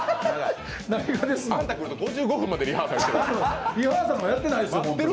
あんた来ると５５分までリハーサルになる。